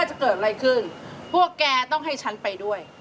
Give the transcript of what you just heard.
แต่ก็โอ้โหน้องต่อได้